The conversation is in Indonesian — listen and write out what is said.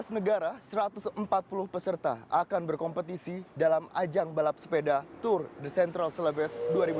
dua belas negara satu ratus empat puluh peserta akan berkompetisi dalam ajang balap sepeda tour de centrale salabes dua ribu tujuh belas